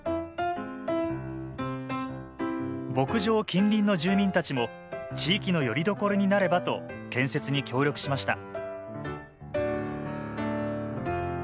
牧場近隣の住民たちも地域のよりどころになればと建設に協力しました